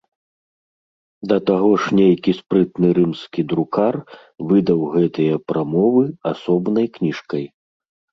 Да таго ж нейкі спрытны рымскі друкар выдаў гэтыя прамовы асобнай кніжкай.